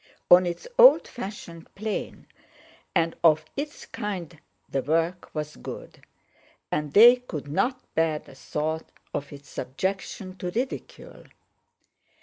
On its old fashioned plane and of its kind the work was good, and they could not bear the thought of its subjection to ridicule.